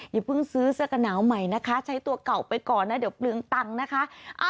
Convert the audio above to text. อย่าเพิ่งซื้อเสื้อกระหนาวใหม่นะคะใช้ตัวเก่าไปก่อนนะเดี๋ยวเปลืองตังค์นะคะ